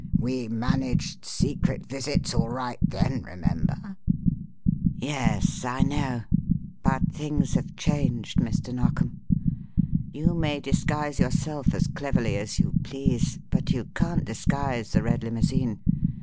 We managed secret visits all right then, remember." "Yes I know. But things have changed, Mr. Narkom. You may disguise yourself as cleverly as you please, but you can't disguise the red limousine.